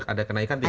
ada kenaikan tidak